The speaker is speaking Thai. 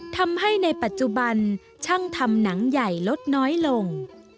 ทำให้ในปัจจุบันช่างทำหนังใหญ่ลดน้อยลง